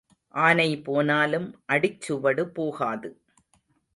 ஆனை போனாலும் அடிச்சுவடு போகாது.